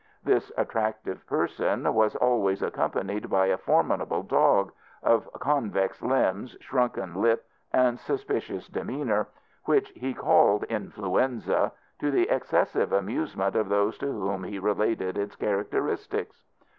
This attractive person was always accompanied by a formidable dog of convex limbs, shrunken lip, and suspicious demeanour which he called Influenza, to the excessive amusement of those to whom he related its characteristics.